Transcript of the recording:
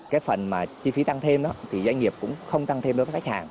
cái phần mà chi phí tăng thêm đó thì doanh nghiệp cũng không tăng thêm đối với khách hàng